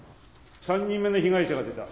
３人目の被害者が出た。